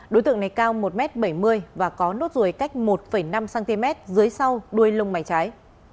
đối tượng này cao một m bảy mươi và có nốt ruồi cách một năm cm dưới sau đuôi lông mái trái